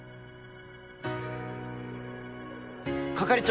係長